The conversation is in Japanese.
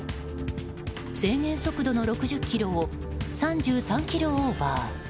制限速度の６０キロを３３キロオーバー。